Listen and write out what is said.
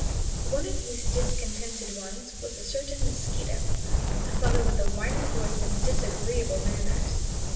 One of these discontented ones was a certain Mosquito, a fellow with a whining voice and disagreeable manners.